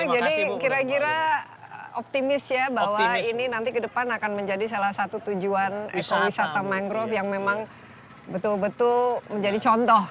jadi kira kira optimis ya bahwa ini nanti kedepan akan menjadi salah satu tujuan ekolisata mangrove yang memang betul betul menjadi contoh